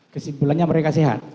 kesimpulannya mereka sehat